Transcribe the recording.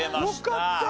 よかった。